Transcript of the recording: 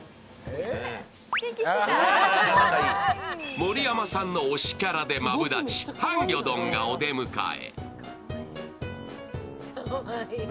盛山さんの推しキャラでマブダチ、ハンギョドンがお出迎え。